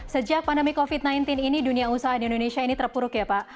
sejak pandemi covid sembilan belas ini dunia usaha di indonesia ini terpuruk ya pak